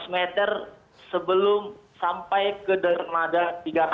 lima ratus meter sebelum sampai ke dermada tiga ratus